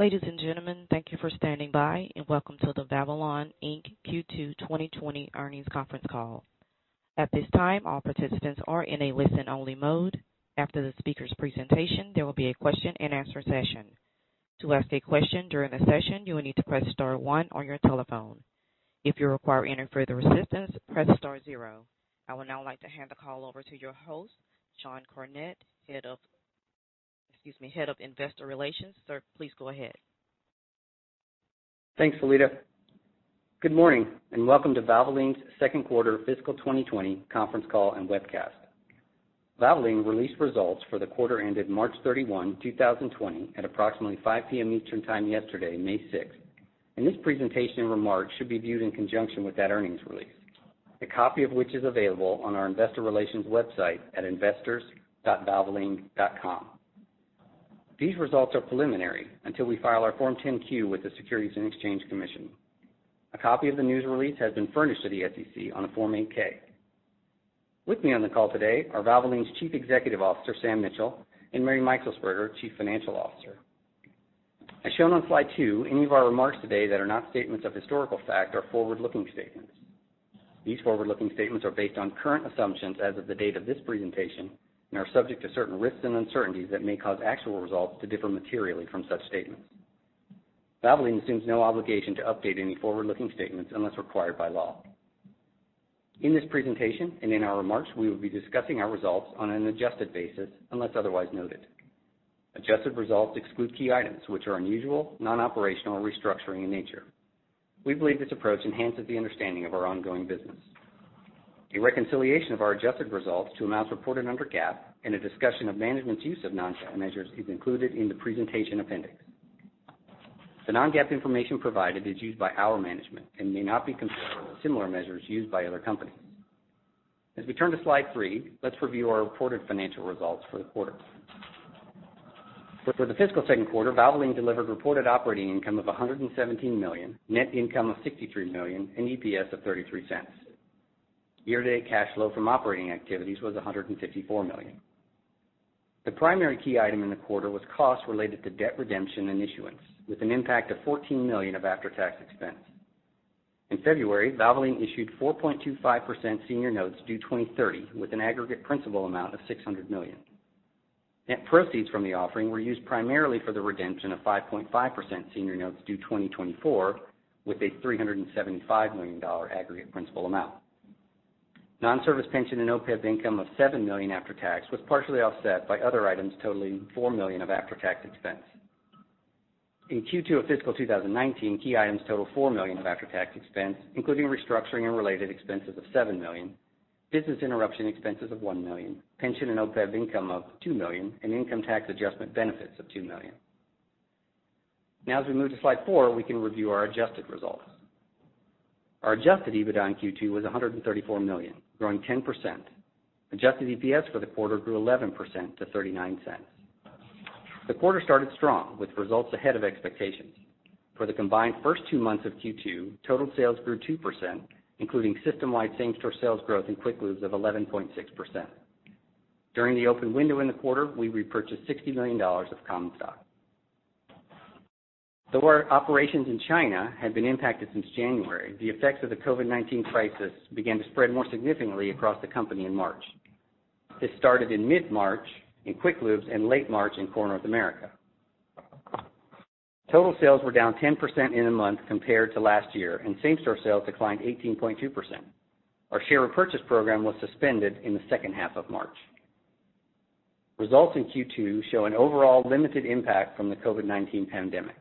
Ladies and gentlemen, thank you for standing by, and welcome to the Valvoline Inc. Q2 2020 earnings conference call. At this time, all participants are in a listen-only mode. After the speaker's presentation, there will be a question and answer session. To ask a question during the session, you will need to press star one on your telephone. If you require any further assistance, press star zero. I would now like to hand the call over to your host, Sean Cornett, Head of Investor Relations. Sir, please go ahead. Thanks, Talita. Good morning, and welcome to Valvoline's second quarter fiscal 2020 conference call and webcast. Valvoline released results for the quarter ended March 31, 2020, at approximately 5:00 P.M. Eastern Time yesterday, May 6th. This presentation and remarks should be viewed in conjunction with that earnings release, a copy of which is available on our investor relations website at investors.valvoline.com. These results are preliminary until we file our Form 10-Q with the Securities and Exchange Commission. A copy of the news release has been furnished to the SEC on a Form 8-K. With me on the call today are Valvoline's Chief Executive Officer, Sam Mitchell, and Mary Meixelsperger, Chief Financial Officer. As shown on slide two, any of our remarks today that are not statements of historical fact are forward-looking statements. These forward-looking statements are based on current assumptions as of the date of this presentation and are subject to certain risks and uncertainties that may cause actual results to differ materially from such statements. Valvoline assumes no obligation to update any forward-looking statements unless required by law. In this presentation and in our remarks, we will be discussing our results on an adjusted basis, unless otherwise noted. Adjusted results exclude key items which are unusual, non-operational, or restructuring in nature. We believe this approach enhances the understanding of our ongoing business. A reconciliation of our adjusted results to amounts reported under GAAP and a discussion of management's use of non-GAAP measures is included in the presentation appendix. The non-GAAP information provided is used by our management and may not be comparable to similar measures used by other companies. As we turn to slide three, let's review our reported financial results for the quarter. For the fiscal second quarter, Valvoline delivered reported operating income of $117 million, net income of $63 million, and EPS of $0.33. Year-to-date cash flow from operating activities was $154 million. The primary key item in the quarter was costs related to debt redemption and issuance, with an impact of $14 million of after-tax expense. In February, Valvoline issued 4.25% senior notes due 2030, with an aggregate principal amount of $600 million. Net proceeds from the offering were used primarily for the redemption of 5.5% senior notes due 2024, with a $375 million aggregate principal amount. Non-service pension and OPEB income of $7 million after tax was partially offset by other items totaling $4 million of after-tax expense. In Q2 of fiscal 2019, key items total $4 million of after-tax expense, including restructuring and related expenses of $7 million, business interruption expenses of $1 million, pension and OPEB income of $2 million, and income tax adjustment benefits of $2 million. As we move to slide four, we can review our adjusted results. Our adjusted EBITDA in Q2 was $134 million, growing 10%. Adjusted EPS for the quarter grew 11% to $0.39. The quarter started strong, with results ahead of expectations. For the combined first two months of Q2, total sales grew 2%, including system-wide same-store sales growth in Quick Lubes of 11.6%. During the open window in the quarter, we repurchased $60 million of common stock. Though our operations in China had been impacted since January, the effects of the COVID-19 crisis began to spread more significantly across the company in March. This started in mid-March in Quick Lubes and late March in Core North America. Total sales were down 10% in the month compared to last year, and same-store sales declined 18.2%. Our share repurchase program was suspended in the second half of March. Results in Q2 show an overall limited impact from the COVID-19 pandemic.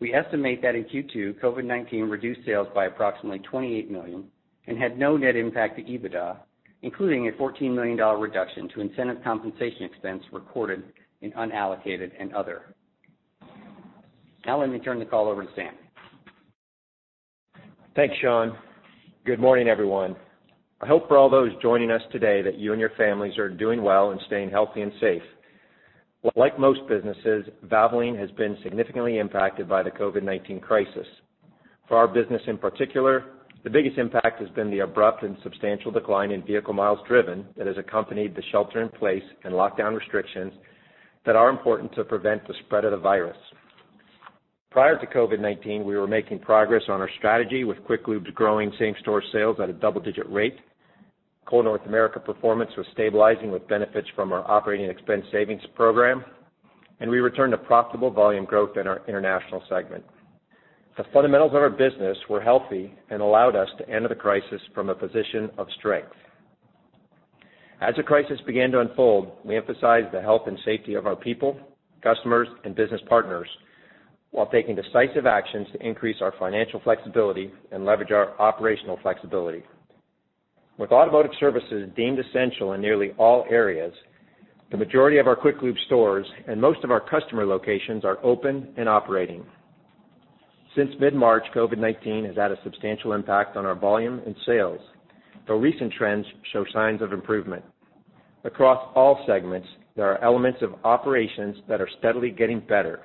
We estimate that in Q2, COVID-19 reduced sales by approximately $28 million and had no net impact to EBITDA, including a $14 million reduction to incentive compensation expense recorded in unallocated and other. Let me turn the call over to Sam. Thanks, Sean. Good morning, everyone. I hope for all those joining us today that you and your families are doing well and staying healthy and safe. Like most businesses, Valvoline has been significantly impacted by the COVID-19 crisis. For our business in particular, the biggest impact has been the abrupt and substantial decline in vehicle miles driven that has accompanied the shelter in place and lockdown restrictions that are important to prevent the spread of the virus. Prior to COVID-19, we were making progress on our strategy, with Quick Lubes growing same-store sales at a double-digit rate. Core North America performance was stabilizing with benefits from our operating expense savings program, and we returned to profitable volume growth in our international segment. The fundamentals of our business were healthy and allowed us to enter the crisis from a position of strength. As the crisis began to unfold, we emphasized the health and safety of our people, customers, and business partners while taking decisive actions to increase our financial flexibility and leverage our operational flexibility. With automotive services deemed essential in nearly all areas, the majority of our Quick Lube stores and most of our customer locations are open and operating. Since mid-March, COVID-19 has had a substantial impact on our volume and sales, though recent trends show signs of improvement. Across all segments, there are elements of operations that are steadily getting better.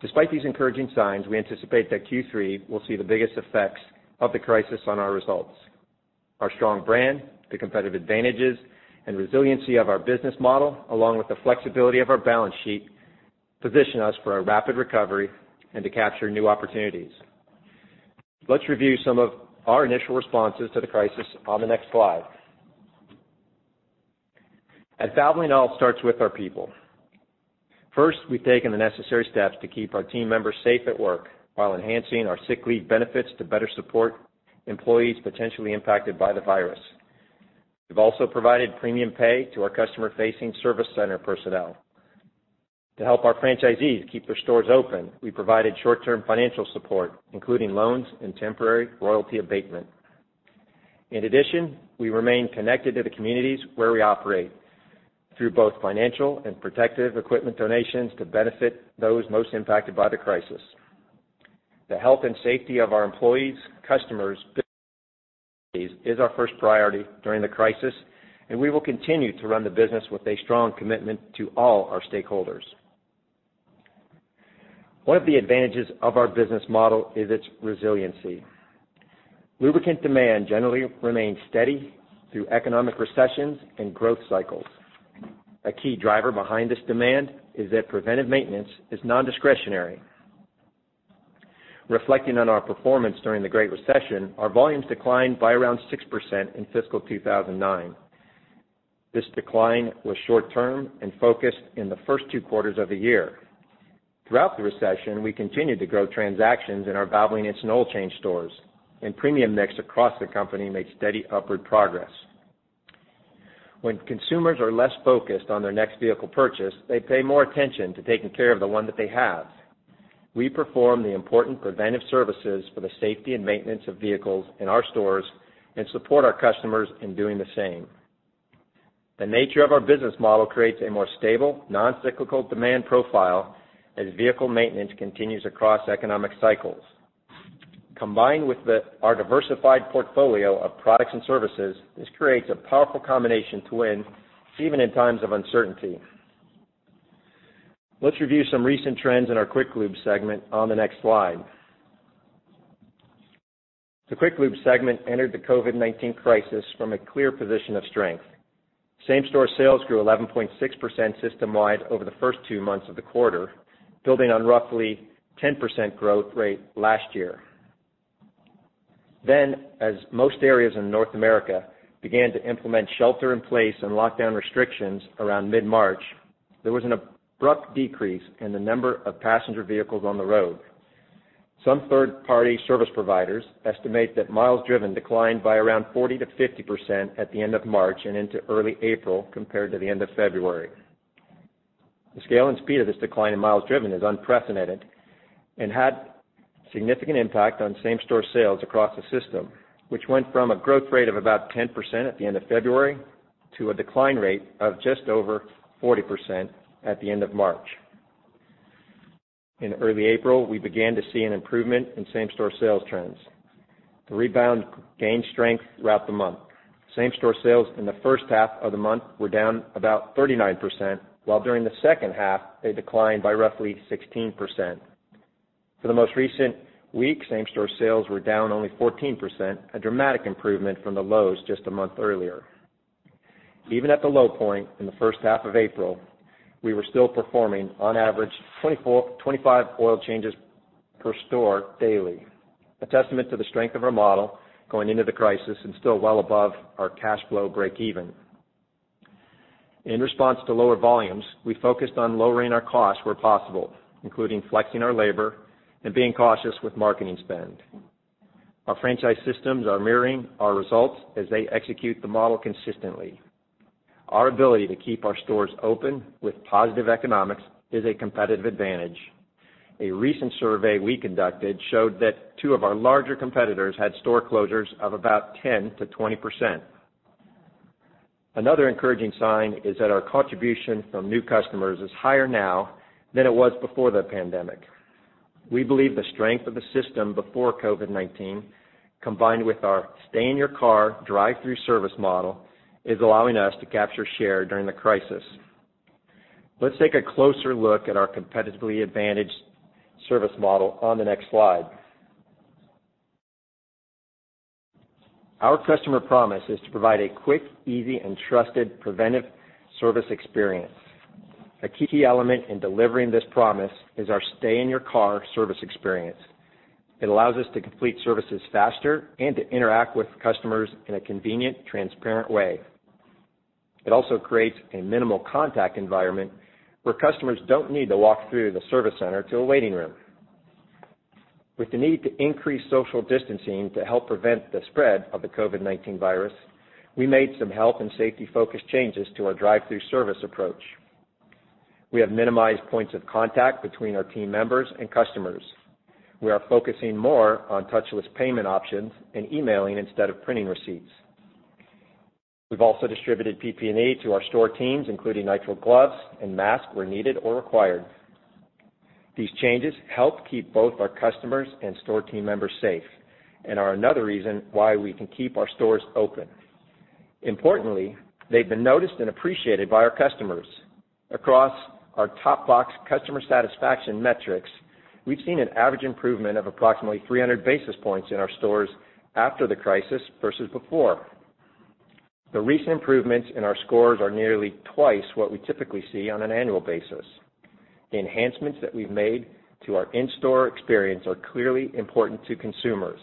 Despite these encouraging signs, we anticipate that Q3 will see the biggest effects of the crisis on our results. Our strong brand, the competitive advantages, and resiliency of our business model, along with the flexibility of our balance sheet, position us for a rapid recovery and to capture new opportunities. Let's review some of our initial responses to the crisis on the next slide. At Valvoline, all starts with our people. First, we've taken the necessary steps to keep our team members safe at work while enhancing our sick leave benefits to better support employees potentially impacted by the virus. We've also provided premium pay to our customer-facing service center personnel. To help our franchisees keep their stores open, we provided short-term financial support, including loans and temporary royalty abatement. In addition, we remain connected to the communities where we operate, through both financial and protective equipment donations to benefit those most impacted by the crisis. The health and safety of our employees, customers, is our first priority during the crisis. We will continue to run the business with a strong commitment to all our stakeholders. One of the advantages of our business model is its resiliency. Lubricant demand generally remains steady through economic recessions and growth cycles. A key driver behind this demand is that preventive maintenance is non-discretionary. Reflecting on our performance during the Great Recession, our volumes declined by around 6% in fiscal 2009. This decline was short-term and focused in the first two quarters of the year. Throughout the recession, we continued to grow transactions in our Valvoline Instant Oil Change stores, and premium mix across the company made steady upward progress. When consumers are less focused on their next vehicle purchase, they pay more attention to taking care of the one that they have. We perform the important preventive services for the safety and maintenance of vehicles in our stores and support our customers in doing the same. The nature of our business model creates a more stable, non-cyclical demand profile as vehicle maintenance continues across economic cycles. Combined with our diversified portfolio of products and services, this creates a powerful combination to win even in times of uncertainty. Let's review some recent trends in our Quick Lube segment on the next slide. The Quick Lube segment entered the COVID-19 crisis from a clear position of strength. Same-store sales grew 11.6% system-wide over the first two months of the quarter, building on roughly 10% growth rate last year. As most areas in North America began to implement shelter-in-place and lockdown restrictions around mid-March, there was an abrupt decrease in the number of passenger vehicles on the road. Some third-party service providers estimate that miles driven declined by around 40%-50% at the end of March and into early April, compared to the end of February. The scale and speed of this decline in miles driven is unprecedented and had significant impact on same-store sales across the system, which went from a growth rate of about 10% at the end of February to a decline rate of just over 40% at the end of March. In early April, we began to see an improvement in same-store sales trends. The rebound gained strength throughout the month. Same-store sales in the first half of the month were down about 39%, while during the second half, they declined by roughly 16%. For the most recent week, same-store sales were down only 14%, a dramatic improvement from the lows just a month earlier. Even at the low point in the first half of April, we were still performing on average 25 oil changes per store daily, a testament to the strength of our model going into the crisis and still well above our cash flow break even. In response to lower volumes, we focused on lowering our costs where possible, including flexing our labor and being cautious with marketing spend. Our franchise systems are mirroring our results as they execute the model consistently. Our ability to keep our stores open with positive economics is a competitive advantage. A recent survey we conducted showed that two of our larger competitors had store closures of about 10%-20%. Another encouraging sign is that our contribution from new customers is higher now than it was before the pandemic. We believe the strength of the system before COVID-19, combined with our Stay in Your Car, drive-through service model, is allowing us to capture share during the crisis. Let's take a closer look at our competitively advantaged service model on the next slide. Our customer promise is to provide a quick, easy, and trusted preventive service experience. A key element in delivering this promise is our Stay in Your Car service experience. It allows us to complete services faster and to interact with customers in a convenient, transparent way. It also creates a minimal contact environment where customers don't need to walk through the service center to a waiting room. With the need to increase social distancing to help prevent the spread of the COVID-19 virus, we made some health and safety focused changes to our drive-through service approach. We have minimized points of contact between our team members and customers. We are focusing more on touchless payment options and emailing instead of printing receipts. We've also distributed PPE to our store teams, including nitrile gloves and masks where needed or required. These changes help keep both our customers and store team members safe and are another reason why we can keep our stores open. Importantly, they've been noticed and appreciated by our customers. Across our top box customer satisfaction metrics, we've seen an average improvement of approximately 300 basis points in our stores after the crisis versus before. The recent improvements in our scores are nearly twice what we typically see on an annual basis. The enhancements that we've made to our in-store experience are clearly important to consumers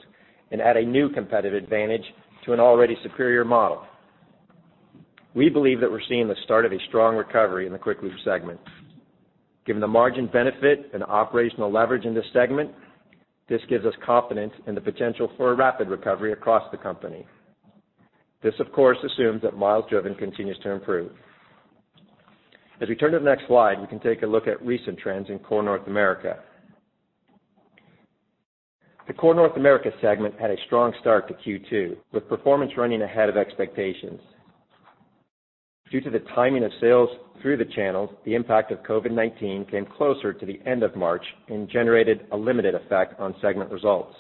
and add a new competitive advantage to an already superior model. We believe that we're seeing the start of a strong recovery in the Quick Lube segment. Given the margin benefit and operational leverage in this segment, this gives us confidence in the potential for a rapid recovery across the company. This, of course, assumes that miles driven continues to improve. As we turn to the next slide, we can take a look at recent trends in Core North America. The Core North America segment had a strong start to Q2, with performance running ahead of expectations. Due to the timing of sales through the channels, the impact of COVID-19 came closer to the end of March and generated a limited effect on segment results.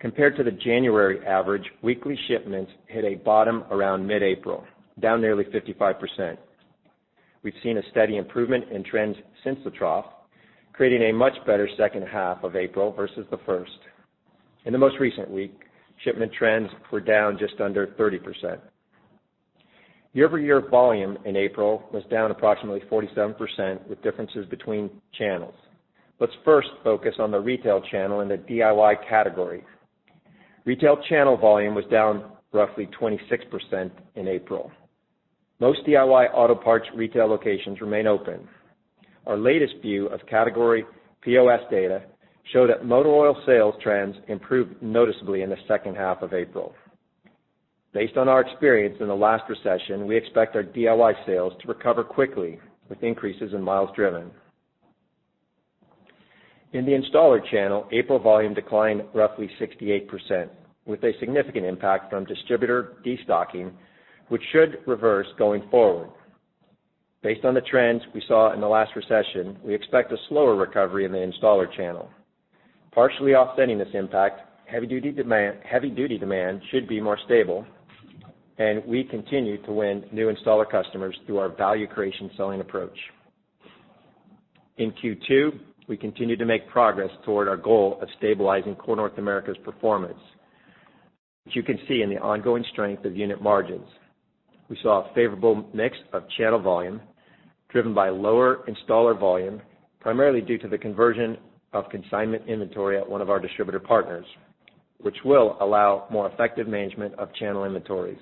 Compared to the January average, weekly shipments hit a bottom around mid-April, down nearly 55%. We've seen a steady improvement in trends since the trough, creating a much better second half of April versus the first. In the most recent week, shipment trends were down just under 30%. Year-over-year volume in April was down approximately 47%, with differences between channels. Let's first focus on the retail channel in the DIY category. Retail channel volume was down roughly 26% in April. Most DIY auto parts retail locations remain open. Our latest view of category POS data show that motor oil sales trends improved noticeably in the second half of April. Based on our experience in the last recession, we expect our DIY sales to recover quickly with increases in miles driven. In the installer channel, April volume declined roughly 68%, with a significant impact from distributor destocking, which should reverse going forward. Based on the trends we saw in the last recession, we expect a slower recovery in the installer channel. Partially offsetting this impact, heavy duty demand should be more stable. We continue to win new installer customers through our value creation selling approach. In Q2, we continued to make progress toward our goal of stabilizing Core North America's performance. As you can see in the ongoing strength of unit margins, we saw a favorable mix of channel volume driven by lower installer volume, primarily due to the conversion of consignment inventory at one of our distributor partners, which will allow more effective management of channel inventories.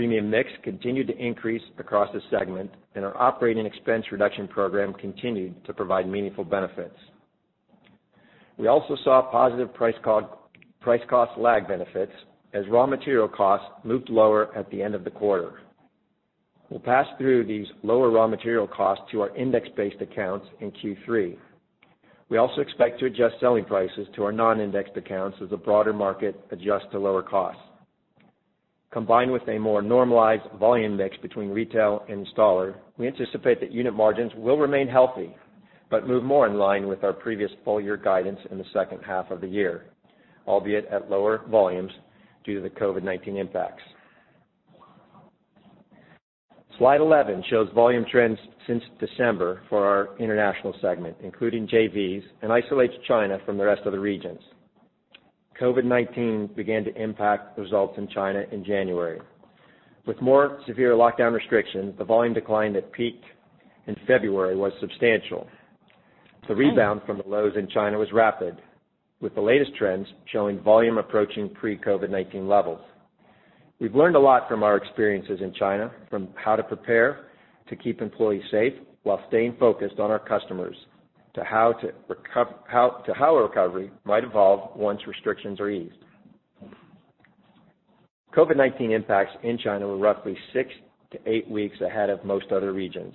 Premium mix continued to increase across the segment. Our operating expense reduction program continued to provide meaningful benefits. We also saw positive price cost lag benefits as raw material costs moved lower at the end of the quarter. We'll pass through these lower raw material costs to our index-based accounts in Q3. We also expect to adjust selling prices to our non-indexed accounts as the broader market adjusts to lower costs. Combined with a more normalized volume mix between retail and installer, we anticipate that unit margins will remain healthy but move more in line with our previous full-year guidance in the second half of the year, albeit at lower volumes due to the COVID-19 impacts. Slide 11 shows volume trends since December for our international segment, including JVs, and isolates China from the rest of the regions. COVID-19 began to impact results in China in January. With more severe lockdown restrictions, the volume decline that peaked in February was substantial. The rebound from the lows in China was rapid, with the latest trends showing volume approaching pre-COVID-19 levels. We've learned a lot from our experiences in China, from how to prepare to keep employees safe while staying focused on our customers, to how a recovery might evolve once restrictions are eased. COVID-19 impacts in China were roughly six to eight weeks ahead of most other regions.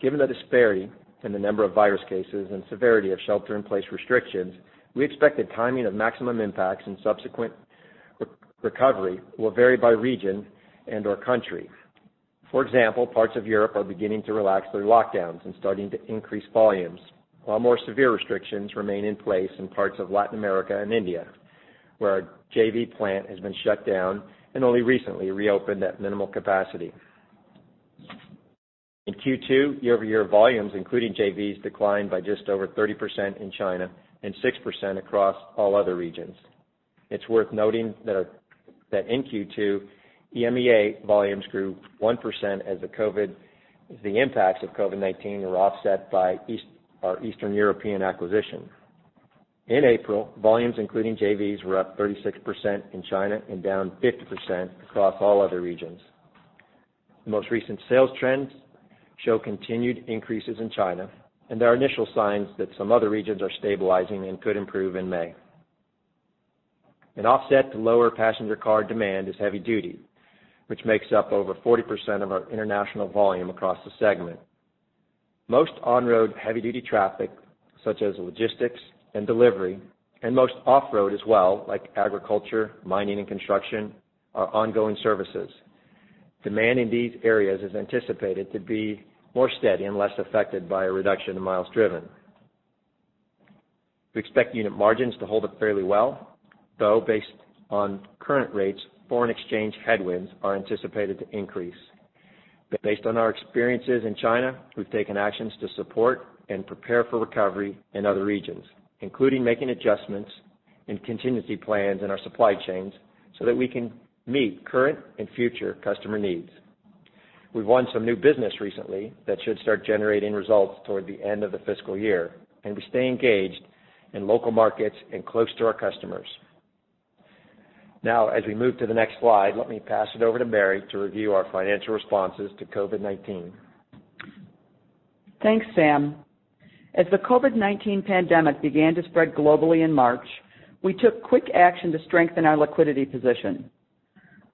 Given the disparity in the number of virus cases and severity of shelter-in-place restrictions, we expect the timing of maximum impacts and subsequent recovery will vary by region and/or country. For example, parts of Europe are beginning to relax their lockdowns and starting to increase volumes, while more severe restrictions remain in place in parts of Latin America and India, where our JV plant has been shut down and only recently reopened at minimal capacity. In Q2, year-over-year volumes, including JVs, declined by just over 30% in China and 6% across all other regions. It's worth noting that in Q2, EMEA volumes grew 1% as the impacts of COVID-19 were offset by our Eastern European acquisition. In April, volumes including JVs were up 36% in China and down 50% across all other regions. The most recent sales trends show continued increases in China, and there are initial signs that some other regions are stabilizing and could improve in May. An offset to lower passenger car demand is heavy duty, which makes up over 40% of our international volume across the segment. Most on-road heavy duty traffic, such as logistics and delivery, and most off-road as well, like agriculture, mining, and construction, are ongoing services. Demand in these areas is anticipated to be more steady and less affected by a reduction in miles driven. We expect unit margins to hold up fairly well, though based on current rates, foreign exchange headwinds are anticipated to increase. Based on our experiences in China, we've taken actions to support and prepare for recovery in other regions, including making adjustments in contingency plans in our supply chains so that we can meet current and future customer needs. We've won some new business recently that should start generating results toward the end of the fiscal year, and we stay engaged in local markets and close to our customers. Now, as we move to the next slide, let me pass it over to Mary to review our financial responses to COVID-19. Thanks, Sam. As the COVID-19 pandemic began to spread globally in March, we took quick action to strengthen our liquidity position.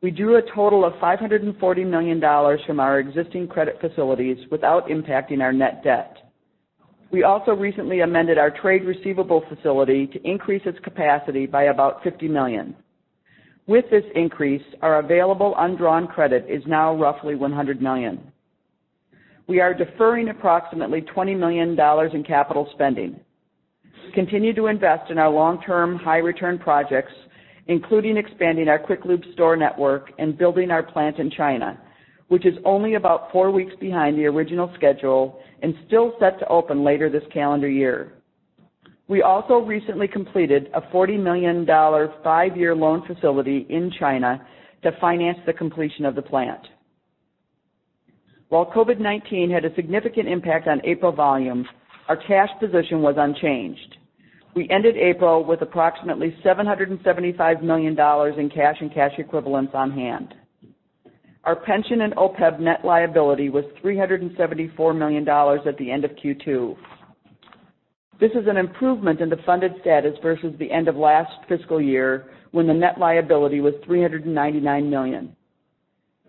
We drew a total of $540 million from our existing credit facilities without impacting our net debt. We also recently amended our trade receivable facility to increase its capacity by about $50 million. With this increase, our available undrawn credit is now roughly $100 million. We are deferring approximately $20 million in capital spending. We continue to invest in our long-term high-return projects, including expanding our Quick Lube store network and building our plant in China, which is only about four weeks behind the original schedule and still set to open later this calendar year. We also recently completed a $40 million five-year loan facility in China to finance the completion of the plant. While COVID-19 had a significant impact on April volumes, our cash position was unchanged. We ended April with approximately $775 million in cash and cash equivalents on hand. Our pension and OPEB net liability was $374 million at the end of Q2. This is an improvement in the funded status versus the end of last fiscal year, when the net liability was $399 million.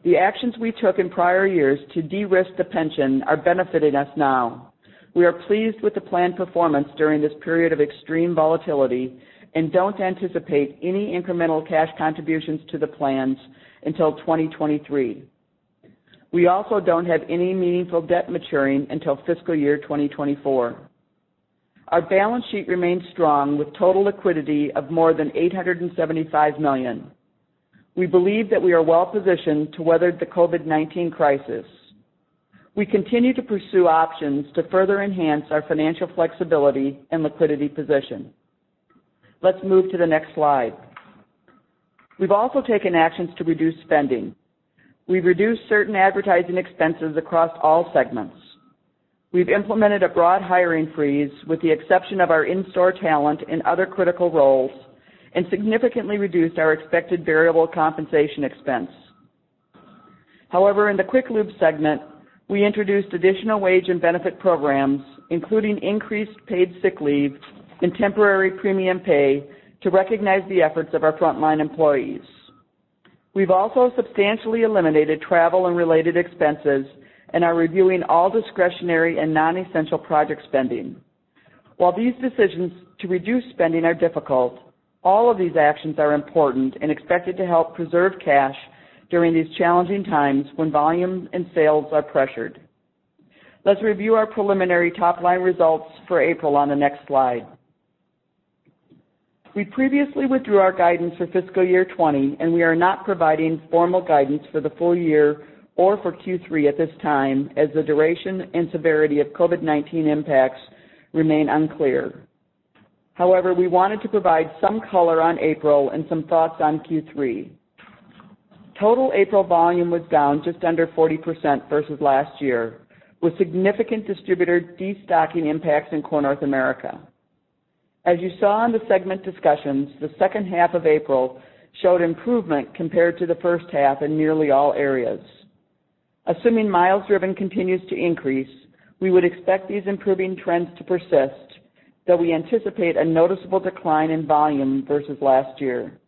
The actions we took in prior years to de-risk the pension are benefiting us now. We are pleased with the plan performance during this period of extreme volatility and don't anticipate any incremental cash contributions to the plans until 2023. We also don't have any meaningful debt maturing until fiscal year 2024. Our balance sheet remains strong with total liquidity of more than $875 million. We believe that we are well positioned to weather the COVID-19 crisis. We continue to pursue options to further enhance our financial flexibility and liquidity position. Let's move to the next slide. We've also taken actions to reduce spending. We've reduced certain advertising expenses across all segments. We've implemented a broad hiring freeze, with the exception of our in-store talent and other critical roles, and significantly reduced our expected variable compensation expense. However, in the Quick Lube segment, we introduced additional wage and benefit programs, including increased paid sick leave and temporary premium pay to recognize the efforts of our frontline employees. We've also substantially eliminated travel and related expenses and are reviewing all discretionary and non-essential project spending. While these decisions to reduce spending are difficult, all of these actions are important and expected to help preserve cash during these challenging times when volumes and sales are pressured. Let's review our preliminary top-line results for April on the next slide. We previously withdrew our guidance for fiscal year 2020, we are not providing formal guidance for the full year or for Q3 at this time, as the duration and severity of COVID-19 impacts remain unclear. We wanted to provide some color on April and some thoughts on Q3. Total April volume was down just under 40% versus last year, with significant distributor de-stocking impacts in Core North America. As you saw in the segment discussions, the second half of April showed improvement compared to the first half in nearly all areas. Assuming miles driven continues to increase, we would expect these improving trends to persist, though we anticipate a noticeable decline in volume versus last year.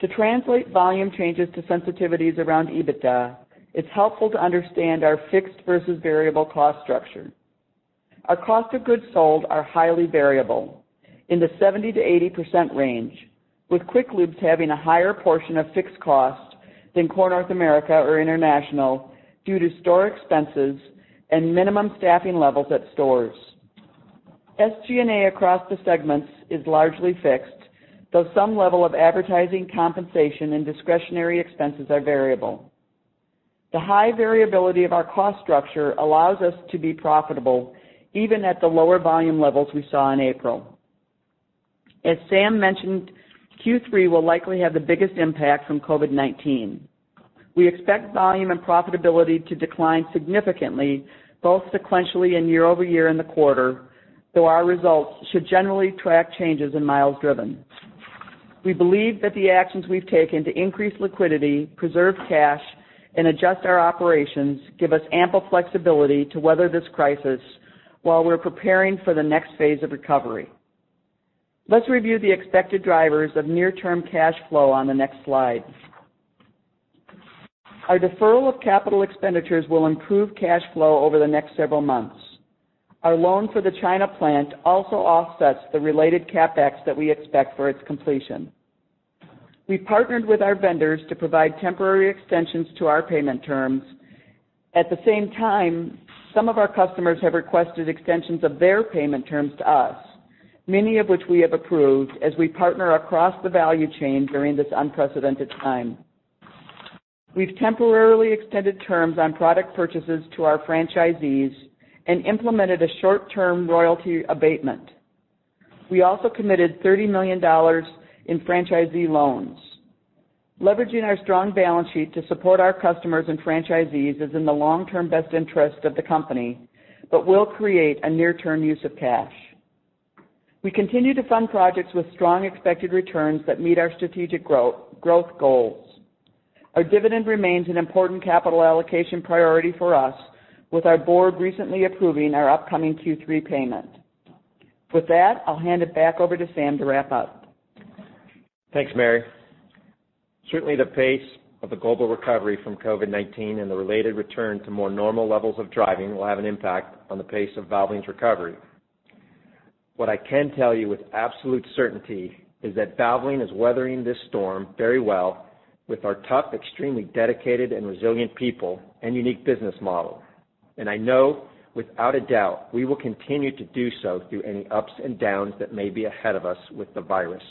To translate volume changes to sensitivities around EBITDA, it's helpful to understand our fixed versus variable cost structure. Our cost of goods sold are highly variable, in the 70%-80% range, with Quick Lubes having a higher portion of fixed cost than Core North America or international due to store expenses and minimum staffing levels at stores. SG&A across the segments is largely fixed, though some level of advertising, compensation, and discretionary expenses are variable. The high variability of our cost structure allows us to be profitable even at the lower volume levels we saw in April. As Sam mentioned, Q3 will likely have the biggest impact from COVID-19. We expect volume and profitability to decline significantly, both sequentially and year-over-year in the quarter, though our results should generally track changes in miles driven. We believe that the actions we've taken to increase liquidity, preserve cash, and adjust our operations give us ample flexibility to weather this crisis while we're preparing for the next phase of recovery. Let's review the expected drivers of near-term cash flow on the next slide. Our deferral of capital expenditures will improve cash flow over the next several months. Our loan for the China plant also offsets the related CapEx that we expect for its completion. We've partnered with our vendors to provide temporary extensions to our payment terms. At the same time, some of our customers have requested extensions of their payment terms to us, many of which we have approved as we partner across the value chain during this unprecedented time. We've temporarily extended terms on product purchases to our franchisees and implemented a short-term royalty abatement. We also committed $30 million in franchisee loans. Leveraging our strong balance sheet to support our customers and franchisees is in the long-term best interest of the company, but will create a near-term use of cash. We continue to fund projects with strong expected returns that meet our strategic growth goals. Our dividend remains an important capital allocation priority for us, with our board recently approving our upcoming Q3 payment. With that, I'll hand it back over to Sam to wrap up. Thanks, Mary. Certainly, the pace of the global recovery from COVID-19 and the related return to more normal levels of driving will have an impact on the pace of Valvoline's recovery. What I can tell you with absolute certainty is that Valvoline is weathering this storm very well with our tough, extremely dedicated, and resilient people and unique business model. I know, without a doubt, we will continue to do so through any ups and downs that may be ahead of us with the virus.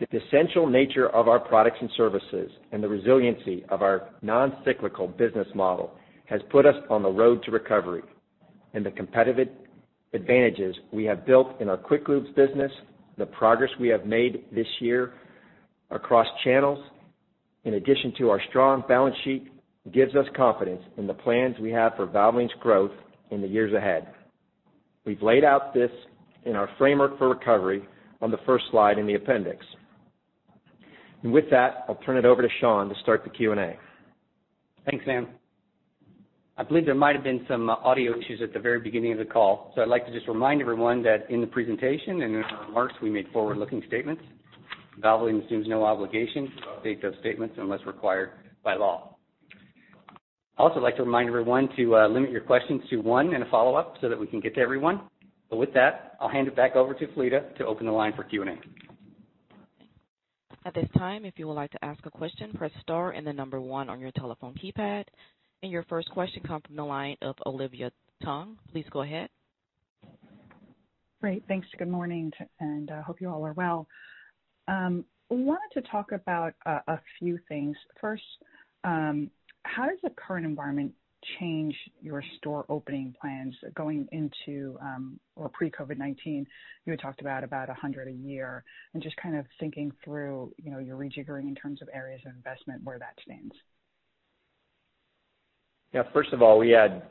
The essential nature of our products and services and the resiliency of our non-cyclical business model has put us on the road to recovery, and the competitive advantages we have built in our Quick Lubes business, the progress we have made this year across channels, in addition to our strong balance sheet, gives us confidence in the plans we have for Valvoline's growth in the years ahead. We've laid out this in our framework for recovery on the first slide in the appendix. With that, I'll turn it over to Sean to start the Q&A. Thanks, Sam. I believe there might have been some audio issues at the very beginning of the call, I'd like to just remind everyone that in the presentation and in our remarks, we made forward-looking statements. Valvoline assumes no obligation to update those statements unless required by law. I'd also like to remind everyone to limit your questions to one and a follow-up so that we can get to everyone. With that, I'll hand it back over to Talita to open the line for Q&A. At this time, if you would like to ask a question, press star and the number one on your telephone keypad. Your first question comes from the line of Olivia Tong. Please go ahead. Great. Thanks. Good morning, I hope you all are well. I wanted to talk about a few things. First, how does the current environment change your store opening plans going into or pre-COVID-19? You had talked about 100 a year, just kind of thinking through your rejiggering in terms of areas of investment, where that stands. Yeah. First of all, we have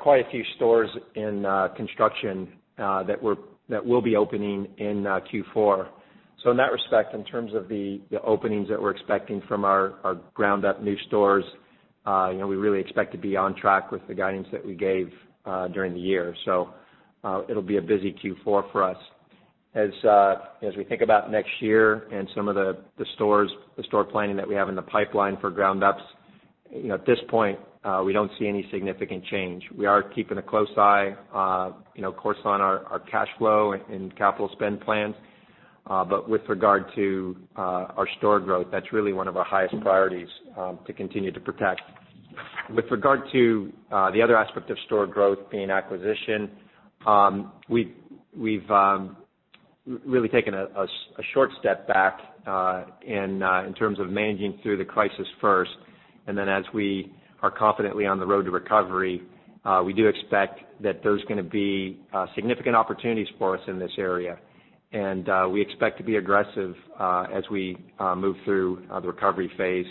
quite a few stores in construction that will be opening in Q4. In that respect, in terms of the openings that we're expecting from our ground-up new stores, we really expect to be on track with the guidance that we gave during the year. It'll be a busy Q4 for us. As we think about next year and some of the store planning that we have in the pipeline for ground-ups, at this point, we don't see any significant change. We are keeping a close eye, of course, on our cash flow and capital spend plans. With regard to our store growth, that's really one of our highest priorities to continue to protect. With regard to the other aspect of store growth being acquisition, we've really taken a short step back in terms of managing through the crisis first, then as we are confidently on the road to recovery, we do expect that there's going to be significant opportunities for us in this area, we expect to be aggressive as we move through the recovery phase,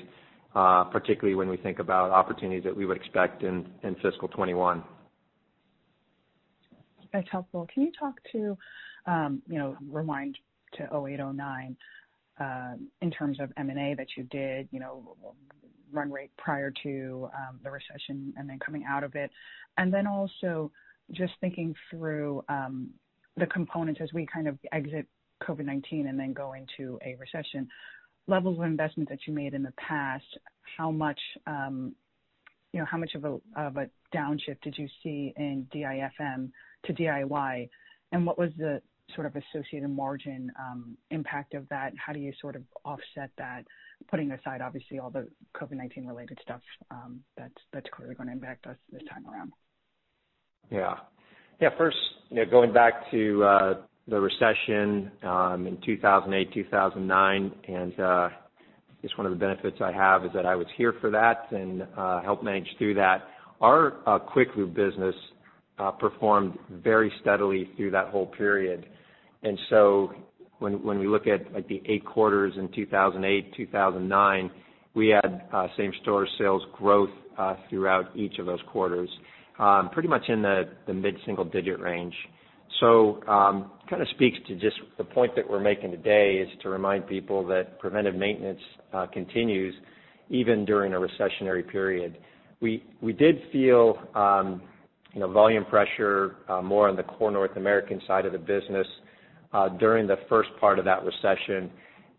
particularly when we think about opportunities that we would expect in fiscal 2021. That's helpful. Can you talk to, rewind to 2008, 2009, in terms of M&A that you did, run rate prior to the recession and then coming out of it? Also just thinking through the components as we kind of exit COVID-19 and then go into a recession, levels of investment that you made in the past, how much of a downshift did you see in DIFM to DIY? What was the sort of associated margin impact of that? How do you sort of offset that, putting aside, obviously, all the COVID-19 related stuff that's clearly going to impact us this time around? Yeah. First, going back to the recession in 2008, 2009, just one of the benefits I have is that I was here for that and helped manage through that. Our Quick Lubes business performed very steadily through that whole period. When we look at the eight quarters in 2008, 2009, we had same store sales growth throughout each of those quarters, pretty much in the mid-single digit range. Kind of speaks to just the point that we're making today is to remind people that preventive maintenance continues even during a recessionary period. We did feel volume pressure more on the Core North America side of the business during the first part of that recession.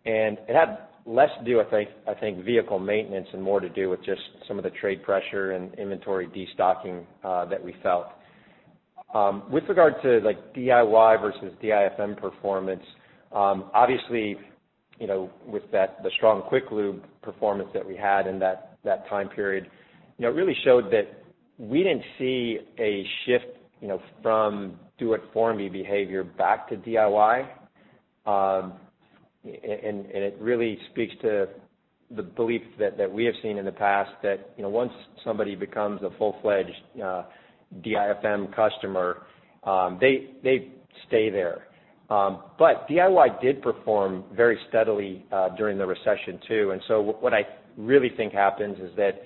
It had less to do, I think, vehicle maintenance and more to do with just some of the trade pressure and inventory de-stocking that we felt. With regard to DIY versus DIFM performance, obviously, with the strong Quick Lubes performance that we had in that time period, it really showed that we didn't see a shift from do it for me behavior back to DIY. It really speaks to the belief that we have seen in the past that, once somebody becomes a full-fledged DIFM customer, they stay there. DIY did perform very steadily during the recession, too, what I really think happens is that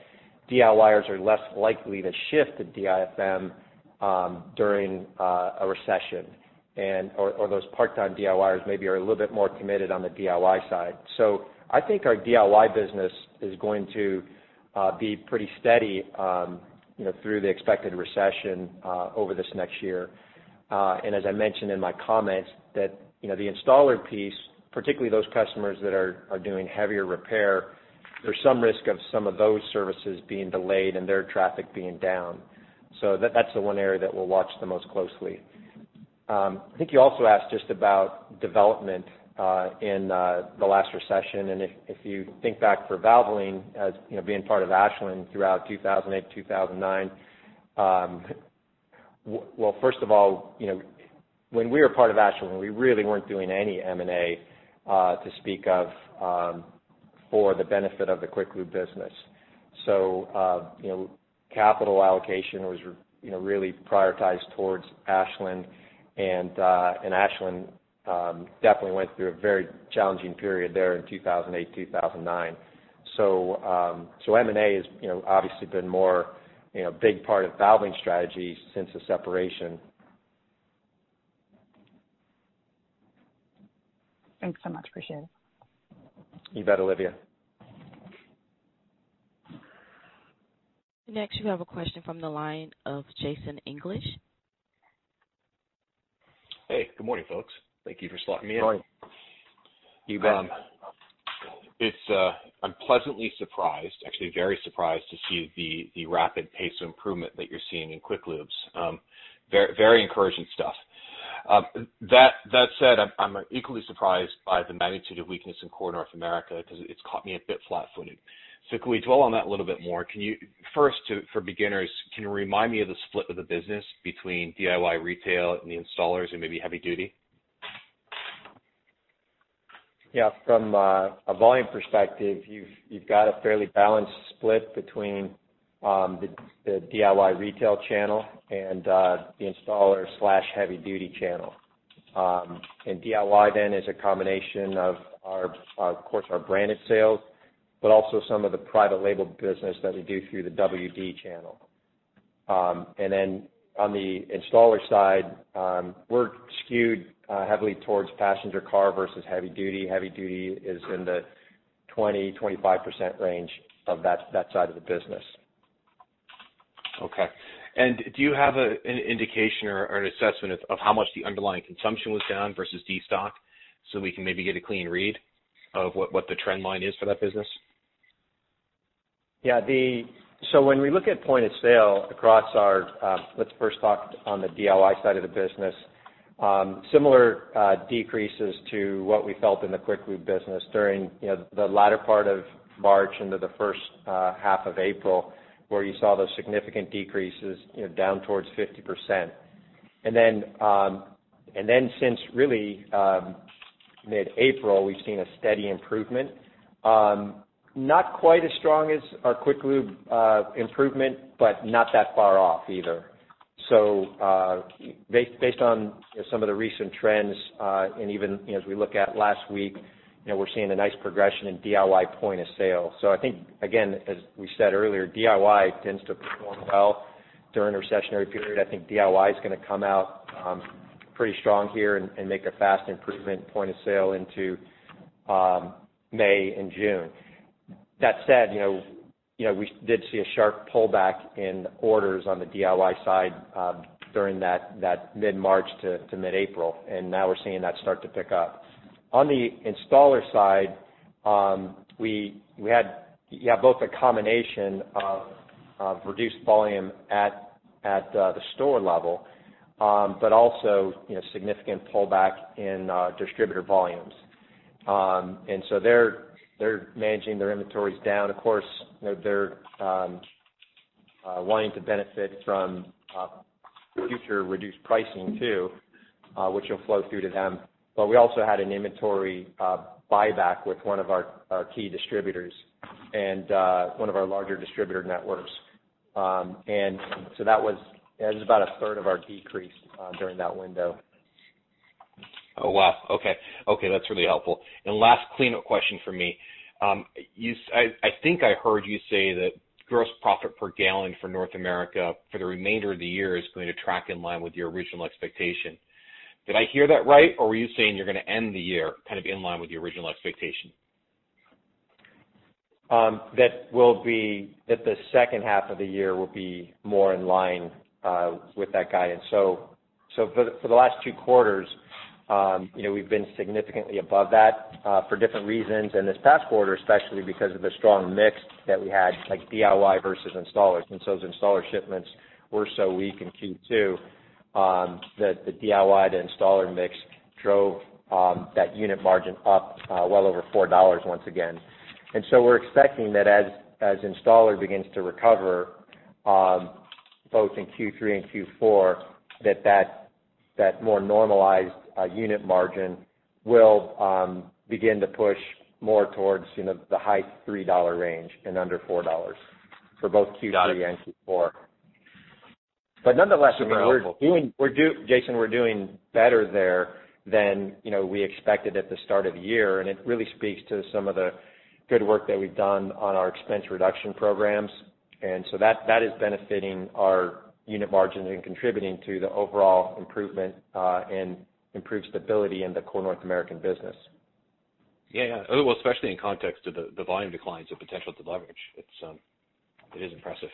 DIYers are less likely to shift to DIFM during a recession, or those part-time DIYers maybe are a little bit more committed on the DIY side. I think our DIY business is going to be pretty steady through the expected recession over this next year. As I mentioned in my comments, that the installer piece, particularly those customers that are doing heavier repair, there's some risk of some of those services being delayed and their traffic being down. That's the one area that we'll watch the most closely. I think you also asked just about development in the last recession, if you think back for Valvoline as being part of Ashland throughout 2008, 2009. Well, first of all, when we were part of Ashland, we really weren't doing any M&A to speak of for the benefit of the Quick Lubes business. Capital allocation was really prioritized towards Ashland definitely went through a very challenging period there in 2008, 2009. M&A has obviously been more big part of Valvoline strategy since the Separation. Thanks so much. Appreciate it. You bet, Olivia. Next, we have a question from the line of Jason English. Hey, good morning, folks. Thank you for slotting me in. Good morning. You bet. I'm pleasantly surprised, actually very surprised to see the rapid pace of improvement that you're seeing in Quick Lubes. Very encouraging stuff. That said, I'm equally surprised by the magnitude of weakness in Core North America because it's caught me a bit flat-footed. Can we dwell on that a little bit more? First, for beginners, can you remind me of the split of the business between DIY retail and the installers and maybe heavy duty? Yeah, from a volume perspective, you've got a fairly balanced split between the DIY retail channel and the installer/heavy duty channel. DIY then is a combination, of course, our branded sales, but also some of the private label business that we do through the WD channel. Then on the installer side, we're skewed heavily towards passenger car versus heavy duty. Heavy duty is in the 20, 25% range of that side of the business. Okay. Do you have an indication or an assessment of how much the underlying consumption was down versus de-stock, so we can maybe get a clean read of what the trend line is for that business? Yeah. When we look at point of sale, let's first talk on the DIY side of the business. Similar decreases to what we felt in the Quick Lubes business during the latter part of March into the first half of April, where you saw those significant decreases down towards 50%. Then since really mid-April, we've seen a steady improvement. Not quite as strong as our Quick Lubes improvement, but not that far off either. Based on some of the recent trends, and even as we look at last week, we're seeing a nice progression in DIY point of sale. I think, again, as we said earlier, DIY tends to perform well during a recessionary period. I think DIY is going to come out pretty strong here and make a fast improvement point of sale into May and June. That said, we did see a sharp pullback in orders on the DIY side during that mid-March to mid-April, and now we're seeing that start to pick up. On the installer side, we had both a combination of reduced volume at the store level, but also significant pullback in distributor volumes. So they're managing their inventories down. Of course, they're wanting to benefit from future reduced pricing, too, which will flow through to them. We also had an inventory buyback with one of our key distributors and one of our larger distributor networks. So that was about a third of our decrease during that window. Oh, wow. Okay. That's really helpful. Last cleanup question from me. I think I heard you say that gross profit per gallon for North America for the remainder of the year is going to track in line with your original expectation. Did I hear that right? Or were you saying you're going to end the year kind of in line with your original expectation? That the second half of the year will be more in line with that guidance. For the last two quarters, we've been significantly above that for different reasons. This past quarter, especially because of the strong mix that we had, like DIY versus installers. As installer shipments were so weak in Q2 that the DIY to installer mix drove that unit margin up well over $4 once again. We're expecting that as installer begins to recover, both in Q3 and Q4, that more normalized unit margin will begin to push more towards the high $3 range and under $4 for both Q3 and Q4. Got it. Super helpful. Nonetheless, Jason, we're doing better there than we expected at the start of the year, and it really speaks to some of the good work that we've done on our expense reduction programs. That is benefiting our unit margin and contributing to the overall improvement, and improved stability in the Core North American business. Yeah. Especially in context of the volume declines, the potential to leverage is impressive.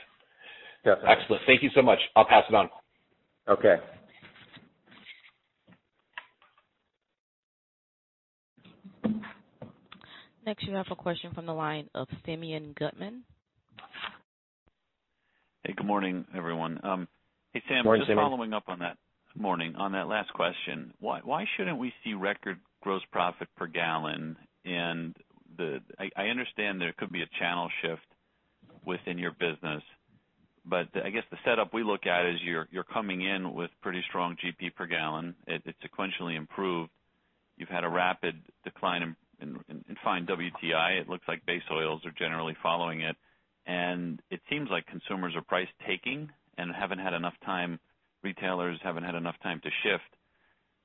Yeah. Excellent. Thank you so much. I'll pass it on. Okay. Next, you have a question from the line of Simeon Gutman. Hey, good morning, everyone. Morning, Simeon. Hey, Sam, just following up on that, morning, on that last question, why shouldn't we see record gross profit per gallon? I understand there could be a channel shift within your business, I guess the setup we look at is you're coming in with pretty strong GP per gallon. It sequentially improved. You've had a rapid decline in fine WTI. It looks like base oils are generally following it, and it seems like consumers are price taking and haven't had enough time, retailers haven't had enough time to shift.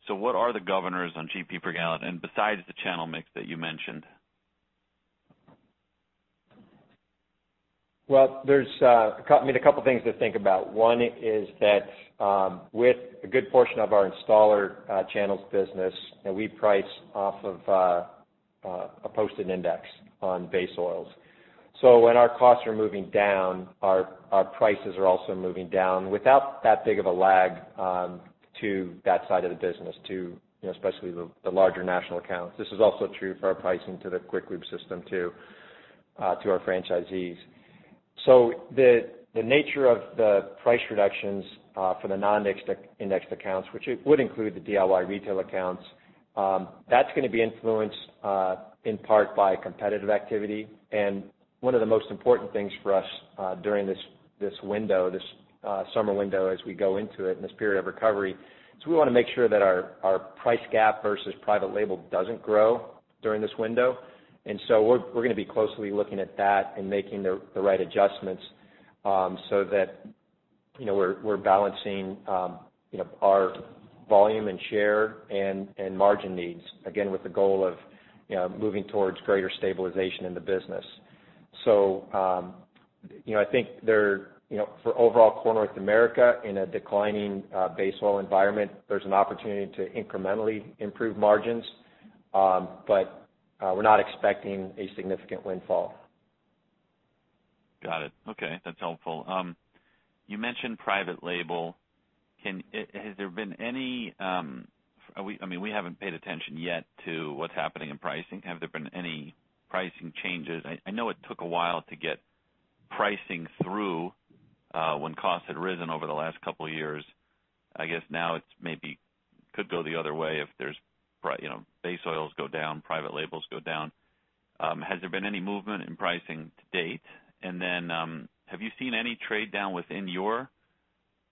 What are the governors on GP per gallon? Besides the channel mix that you mentioned. Well, there's a couple things to think about. One is that with a good portion of our installer channels business, we price off of a posted index on base oils. When our costs are moving down, our prices are also moving down without that big of a lag to that side of the business, to especially the larger national accounts. This is also true for our pricing to the Quick Lube system too, to our franchisees. The nature of the price reductions for the non-indexed accounts, which would include the DIY retail accounts, that's going to be influenced in part by competitive activity. One of the most important things for us during this window, this summer window as we go into it in this period of recovery, is we want to make sure that our price gap versus private label doesn't grow during this window. We're going to be closely looking at that and making the right adjustments, so that we're balancing our volume and share and margin needs, again, with the goal of moving towards greater stabilization in the business. I think for overall Core North America in a declining base oil environment, there's an opportunity to incrementally improve margins. We're not expecting a significant windfall. Got it. Okay, that's helpful. You mentioned private label. We haven't paid attention yet to what's happening in pricing. Have there been any pricing changes? I know it took a while to get pricing through when costs had risen over the last couple of years. I guess now it maybe could go the other way if base oils go down, private labels go down. Has there been any movement in pricing to date? Then, have you seen any trade down within your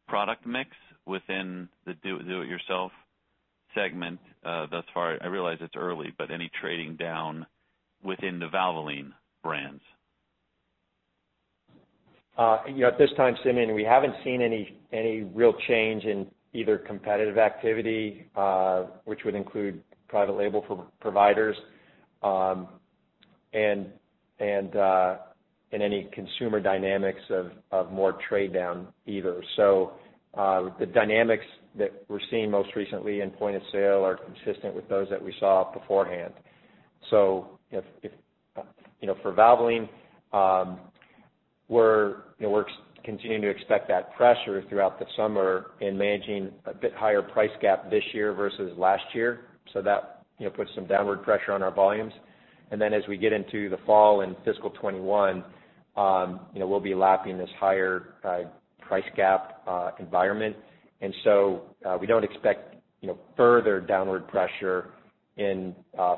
product mix within the do it yourself segment thus far? I realize it's early, but any trading down within the Valvoline brands? At this time, Simeon, we haven't seen any real change in either competitive activity, which would include private label providers, and any consumer dynamics of more trade down either. The dynamics that we're seeing most recently in point of sale are consistent with those that we saw beforehand. For Valvoline, we're continuing to expect that pressure throughout the summer and managing a bit higher price gap this year versus last year. That puts some downward pressure on our volumes. As we get into the fall in fiscal 2021, we'll be lapping this higher price gap environment. We don't expect further downward pressure in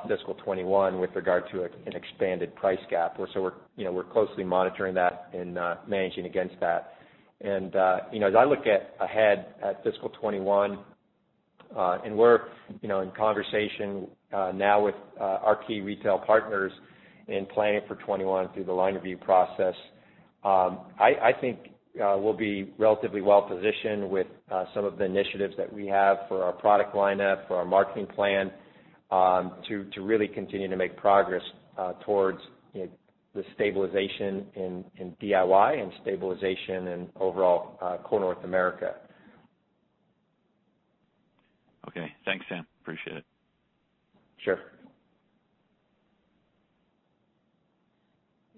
fiscal 2021 with regard to an expanded price gap. We're closely monitoring that and managing against that. As I look ahead at fiscal 2021, and we're in conversation now with our key retail partners in planning for 2021 through the line review process. I think we'll be relatively well-positioned with some of the initiatives that we have for our product lineup, for our marketing plan, to really continue to make progress towards the stabilization in DIY and stabilization in overall Core North America. Okay. Thanks, Sam, appreciate it. Sure.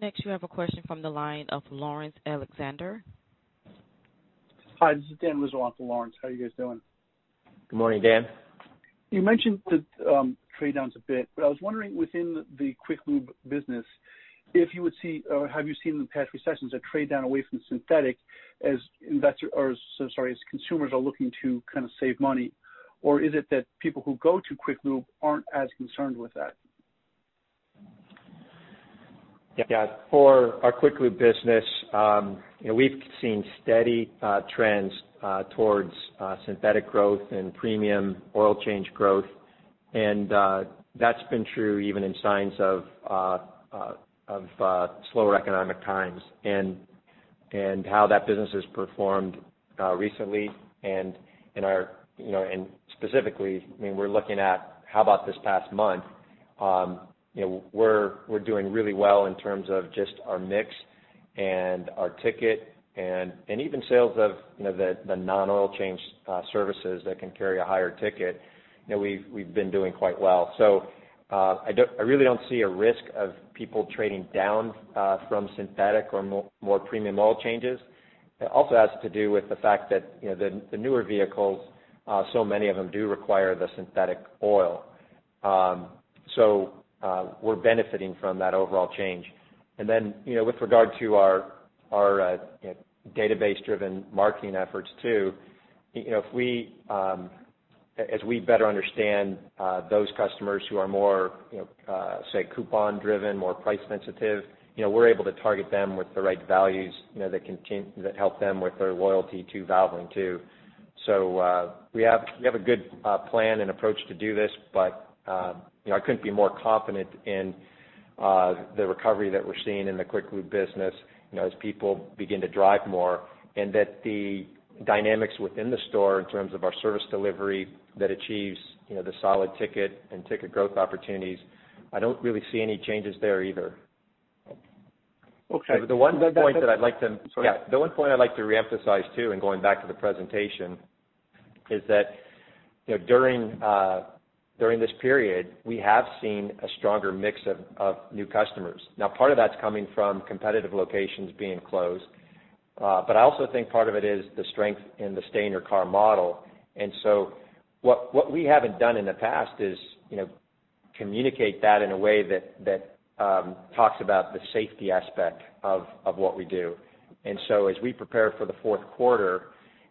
Next, you have a question from the line of Laurence Alexander. Hi, this is Daniel Rizzo in for Laurence. How are you guys doing? Good morning, Dan. You mentioned the trade downs a bit, but I was wondering within the Quick Lube business, have you seen in the past recessions a trade down away from synthetic as consumers are looking to save money, or is it that people who go to Quick Lube aren't as concerned with that? Yeah. For our Quick Lube business, we've seen steady trends towards synthetic growth and premium oil change growth, and that's been true even in signs of slower economic times and how that business has performed recently. Specifically, we're looking at how about this past month, we're doing really well in terms of just our mix and our ticket, and even sales of the non-oil change services that can carry a higher ticket. We've been doing quite well. I really don't see a risk of people trading down from synthetic or more premium oil changes. It also has to do with the fact that the newer vehicles, so many of them do require the synthetic oil. We're benefiting from that overall change. With regard to our database-driven marketing efforts too, as we better understand those customers who are more, say, coupon-driven, more price sensitive, we're able to target them with the right values that help them with their loyalty to Valvoline too. We have a good plan and approach to do this, but I couldn't be more confident in the recovery that we're seeing in the Quick Lube business as people begin to drive more, and that the dynamics within the store in terms of our service delivery that achieves the solid ticket and ticket growth opportunities, I don't really see any changes there either. Okay. The one point that I'd like to- Sorry. The one point I'd like to reemphasize, too, and going back to the presentation, is that during this period, we have seen a stronger mix of new customers. Now, part of that's coming from competitive locations being closed. I also think part of it is the strength in the Stay in Your Car model. What we haven't done in the past is communicate that in a way that talks about the safety aspect of what we do. As we prepare for the fourth quarter,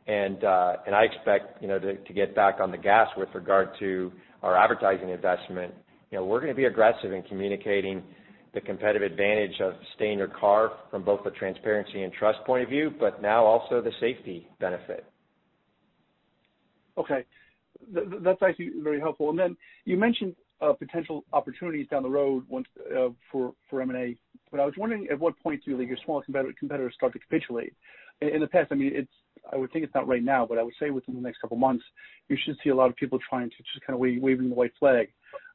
and I expect to get back on the gas with regard to our advertising investment, we're going to be aggressive in communicating the competitive advantage of Stay in Your Car from both the transparency and trust point of view, but now also the safety benefit. Okay. That's actually very helpful. You mentioned potential opportunities down the road for M&A, but I was wondering at what point do you believe your smaller competitors start to capitulate? In the past, I would think it's not right now, but I would say within the next couple of months, you should see a lot of people trying to just kind of waving the white flag.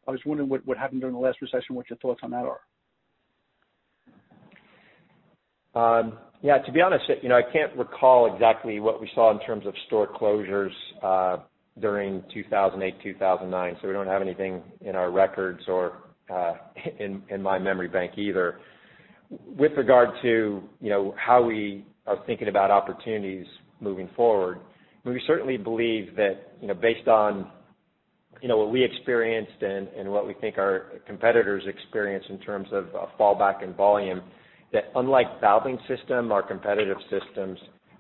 I was wondering what happened during the last recession, what your thoughts on that are. Yeah, to be honest, I can't recall exactly what we saw in terms of store closures during 2008, 2009. We don't have anything in our records or in my memory bank either. With regard to how we are thinking about opportunities moving forward, we certainly believe that based on what we experienced and what we think our competitors experienced in terms of a fallback in volume, that unlike Valvoline system, our competitive systems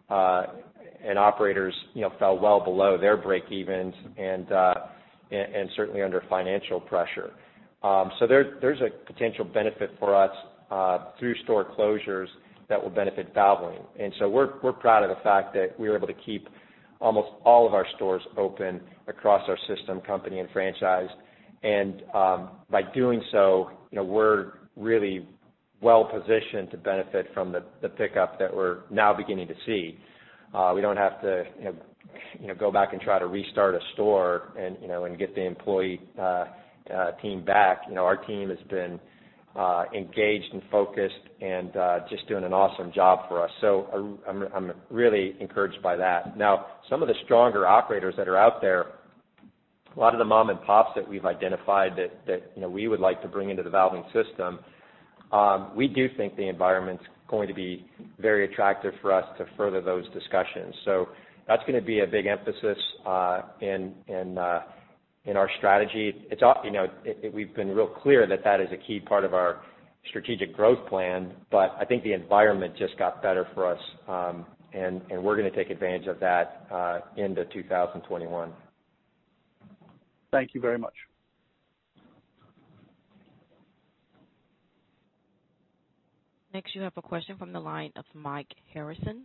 and operators fell well below their breakevens and certainly under financial pressure. There's a potential benefit for us through store closures that will benefit Valvoline. We're proud of the fact that we were able to keep almost all of our stores open across our system, company, and franchise. By doing so, we're really well-positioned to benefit from the pickup that we're now beginning to see. We don't have to go back and try to restart a store and get the employee team back. Our team has been engaged and focused and just doing an awesome job for us. I'm really encouraged by that. Some of the stronger operators that are out there, a lot of the mom and pops that we've identified that we would like to bring into the Valvoline system, we do think the environment's going to be very attractive for us to further those discussions. That's going to be a big emphasis in our strategy. We've been real clear that that is a key part of our strategic growth plan, I think the environment just got better for us, we're going to take advantage of that into 2021. Thank you very much. Next, you have a question from the line of Michael Harrison.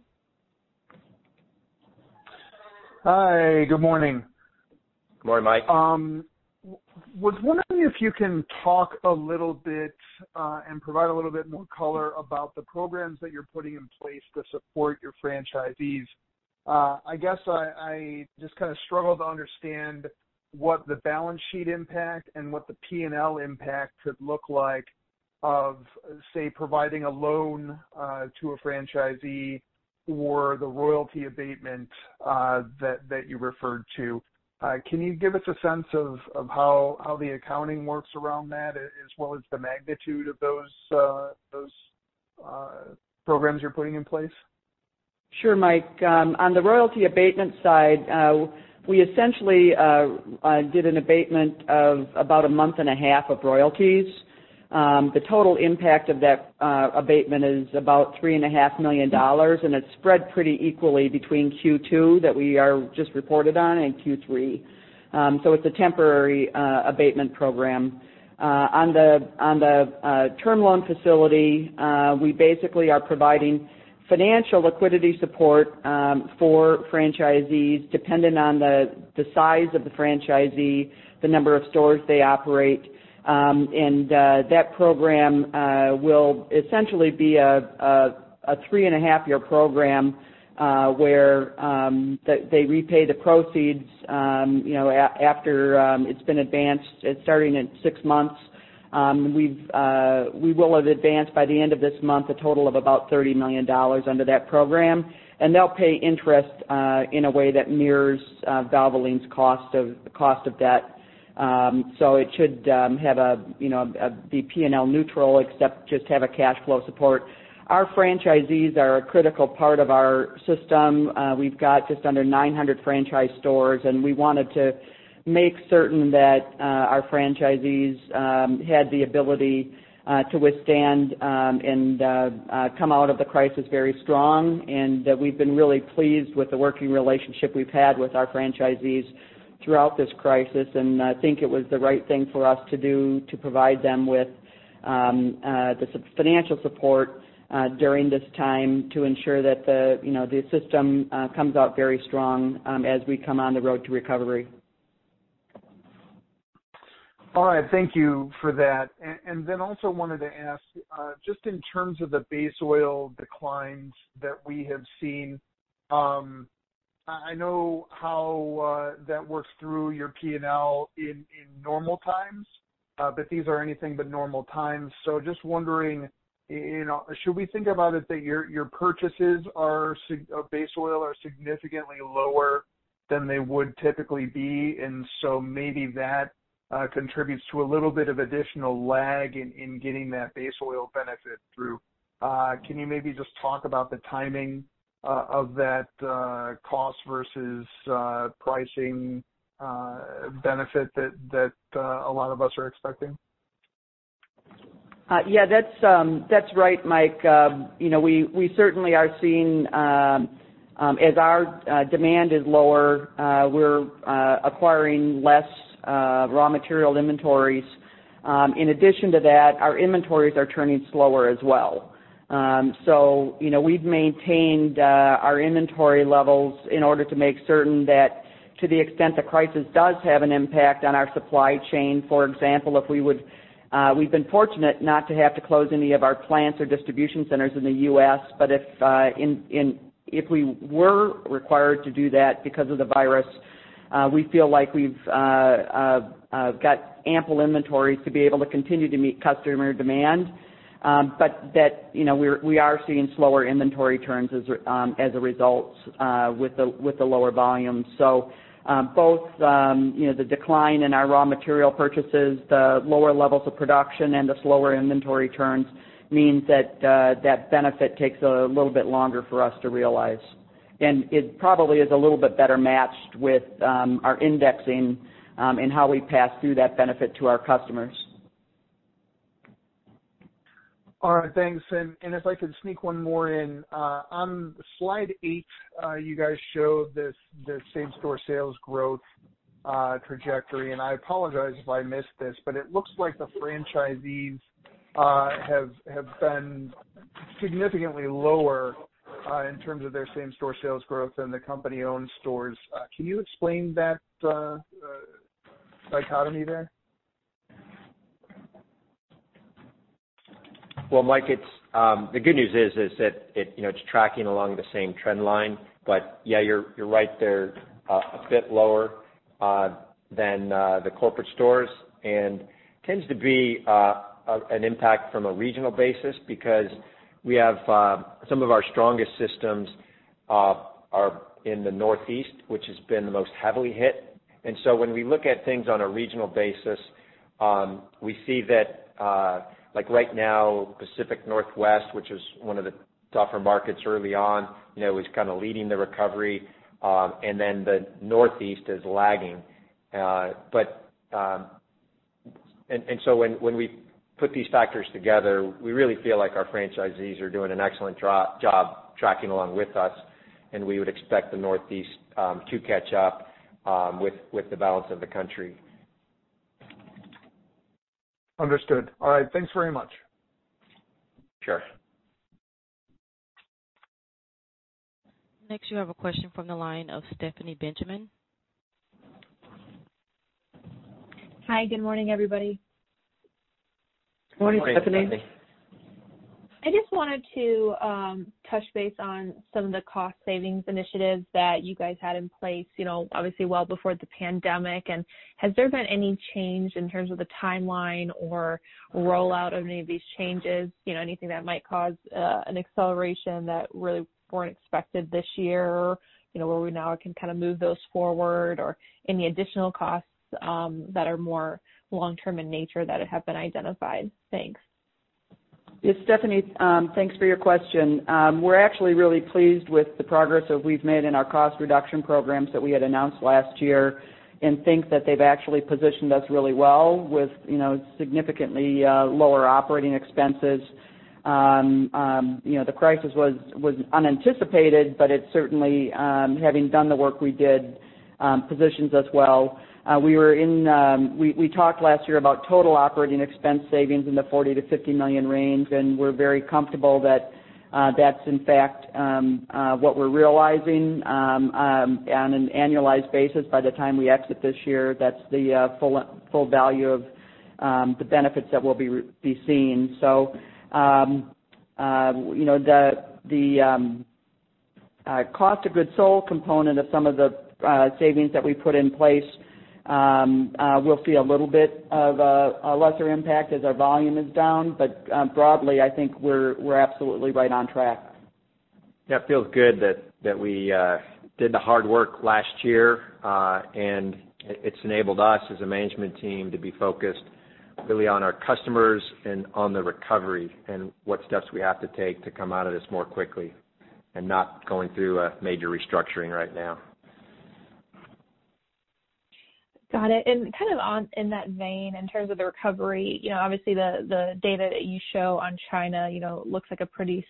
Hi. Good morning. Good morning, Mike. I was wondering if you can talk a little bit and provide a little bit more color about the programs that you're putting in place to support your franchisees. I guess I just kind of struggle to understand what the balance sheet impact and what the P&L impact could look like of, say, providing a loan to a franchisee or the royalty abatement that you referred to. Can you give us a sense of how the accounting works around that as well as the magnitude of those programs you're putting in place? Sure, Mike. On the royalty abatement side, we essentially did an abatement of about a month and a half of royalties. The total impact of that abatement is about $3.5 million, and it's spread pretty equally between Q2, that we just reported on, and Q3. It's a temporary abatement program. On the term loan facility, we basically are providing financial liquidity support for franchisees dependent on the size of the franchisee, the number of stores they operate. That program will essentially be a three-and-a-half-year program, where they repay the proceeds after it's been advanced, starting at six months. We will have advanced, by the end of this month, a total of about $30 million under that program, and they'll pay interest in a way that mirrors Valvoline's cost of debt. It should be P&L neutral, except just have a cash flow support. Our franchisees are a critical part of our system. We've got just under 900 franchise stores, we wanted to make certain that our franchisees had the ability to withstand and come out of the crisis very strong. We've been really pleased with the working relationship we've had with our franchisees throughout this crisis. I think it was the right thing for us to do to provide them with the financial support during this time to ensure that the system comes out very strong as we come on the road to recovery. All right. Thank you for that. Then also wanted to ask, just in terms of the base oil declines that we have seen, I know how that works through your P&L in normal times, but these are anything but normal times. Just wondering, should we think about it that your purchases of base oil are significantly lower than they would typically be, maybe that contributes to a little bit of additional lag in getting that base oil benefit through? Can you maybe just talk about the timing of that cost versus pricing benefit that a lot of us are expecting? Yeah, that's right, Mike. We certainly are seeing as our demand is lower, we're acquiring less raw material inventories. In addition to that, our inventories are turning slower as well. We've maintained our inventory levels in order to make certain that to the extent the crisis does have an impact on our supply chain, for example, we've been fortunate not to have to close any of our plants or distribution centers in the U.S., but if we were required to do that because of the virus, we feel like we've got ample inventories to be able to continue to meet customer demand. We are seeing slower inventory turns as a result with the lower volumes. Both the decline in our raw material purchases, the lower levels of production, and the slower inventory turns means that that benefit takes a little bit longer for us to realize. It probably is a little bit better matched with our indexing and how we pass through that benefit to our customers. All right, thanks. If I could sneak one more in. On slide eight, you guys showed the same-store sales growth trajectory, and I apologize if I missed this, but it looks like the franchisees have been significantly lower in terms of their same-store sales growth than the company-owned stores. Can you explain that dichotomy there? Well, Mike, the good news is that it's tracking along the same trend line. Yeah, you're right, they're a bit lower than the corporate stores and tends to be an impact from a regional basis because some of our strongest systems are in the Northeast, which has been the most heavily hit. When we look at things on a regional basis, we see that right now, Pacific Northwest, which was one of the tougher markets early on, is kind of leading the recovery, and then the Northeast is lagging. When we put these factors together, we really feel like our franchisees are doing an excellent job tracking along with us, and we would expect the Northeast to catch up with the balance of the country. Understood. All right. Thanks very much. Sure. Next, you have a question from the line of Stephanie Benjamin. Hi, good morning, everybody. Morning, Stephanie. Morning, Stephanie. I just wanted to touch base on some of the cost savings initiatives that you guys had in place, obviously well before the pandemic. Has there been any change in terms of the timeline or rollout of any of these changes? Anything that might cause an acceleration that really weren't expected this year, where we now can move those forward or any additional costs that are more long-term in nature that have been identified? Thanks. Yes, Stephanie, thanks for your question. We're actually really pleased with the progress that we've made in our cost reduction programs that we had announced last year and think that they've actually positioned us really well with significantly lower operating expenses. The crisis was unanticipated, but it certainly, having done the work we did, positions us well. We talked last year about total operating expense savings in the $40 million-$50 million range, and we're very comfortable that that's in fact what we're realizing on an annualized basis by the time we exit this year. That's the full value of the benefits that will be seen. The cost of goods sold component of some of the savings that we put in place will see a little bit of a lesser impact as our volume is down. Broadly, I think we're absolutely right on track. It feels good that we did the hard work last year, and it's enabled us as a management team to be focused really on our customers and on the recovery and what steps we have to take to come out of this more quickly and not going through a major restructuring right now. Got it. Kind of in that vein, in terms of the recovery, obviously the data that you show on China looks like a pretty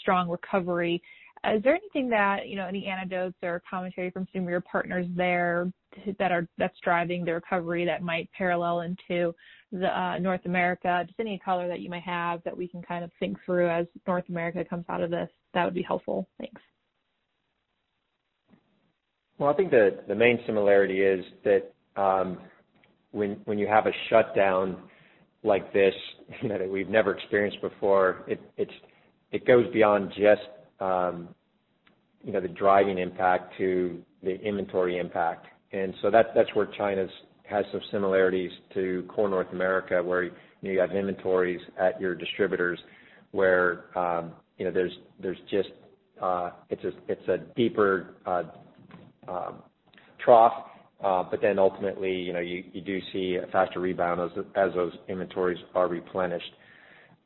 strong recovery. Is there anything that, any anecdotes or commentary from some of your partners there that's driving the recovery that might parallel into North America? Just any color that you might have that we can kind of think through as North America comes out of this, that would be helpful. Thanks. I think the main similarity is that when you have a shutdown like this that we've never experienced before, it goes beyond just the driving impact to the inventory impact. That's where China has some similarities to Core North America, where you have inventories at your distributors where it's a deeper trough. Ultimately, you do see a faster rebound as those inventories are replenished.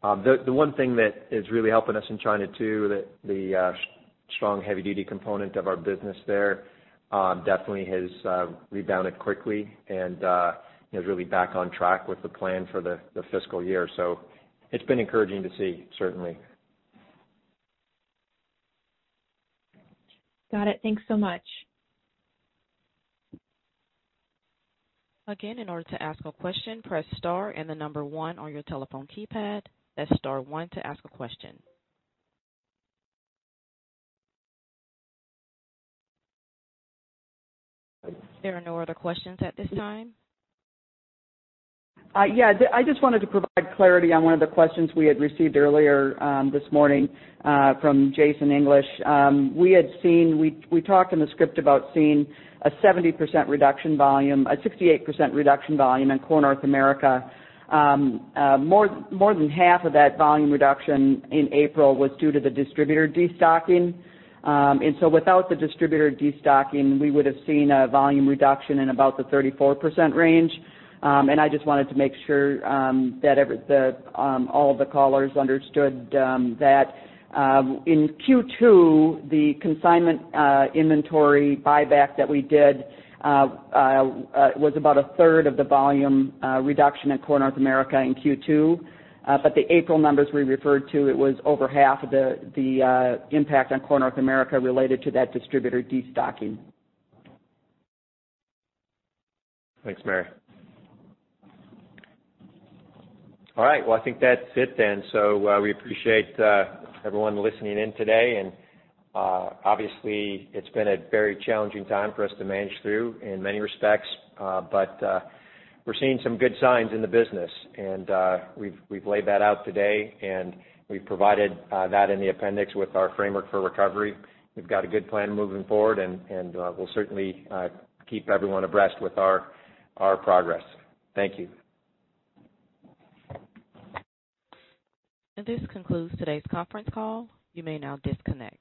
The one thing that is really helping us in China, too, the strong heavy-duty component of our business there definitely has rebounded quickly and is really back on track with the plan for the fiscal year. It's been encouraging to see, certainly. Got it. Thanks so much. Again, in order to ask a question, press star and the number one on your telephone keypad. That's star one to ask a question. There are no other questions at this time. I just wanted to provide clarity on one of the questions we had received earlier this morning from Jason English. We talked in the script about seeing a 70% reduction volume, a 68% reduction volume in Core North America. More than half of that volume reduction in April was due to the distributor destocking. Without the distributor destocking, we would've seen a volume reduction in about the 34% range. I just wanted to make sure that all of the callers understood that. In Q2, the consignment inventory buyback that we did was about a third of the volume reduction in Core North America in Q2. The April numbers we referred to, it was over half of the impact on Core North America related to that distributor destocking. Thanks, Mary. All right, well, I think that's it then. We appreciate everyone listening in today. Obviously it's been a very challenging time for us to manage through in many respects. We're seeing some good signs in the business. We've laid that out today and we've provided that in the appendix with our framework for recovery. We've got a good plan moving forward, and we'll certainly keep everyone abreast with our progress. Thank you. This concludes today's conference call. You may now disconnect.